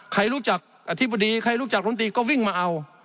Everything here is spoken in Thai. ใครรู้จักอธิบดีใครรู้จักรนตรีก็วิ่งมาเอา